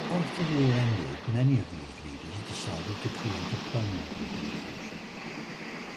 After the war ended, many of these leaders decided to create a permanent organization.